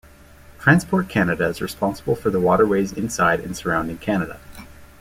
Transport Canada is responsible for the waterways inside and surrounding Canada.